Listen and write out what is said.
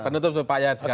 penutup supaya sekarang